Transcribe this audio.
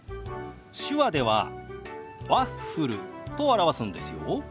手話では「ワッフル」と表すんですよ。